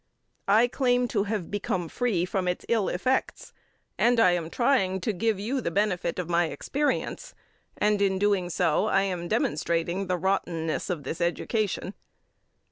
I claim to have become free from its ill effects, and I am trying to give you the benefit of my experience, and, in doing so, I am demonstrating the rottenness of this education.